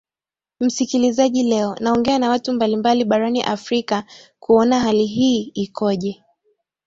msikilizaji leo naongea na watu mbalimbali barani afrika kuona hali hii ikoje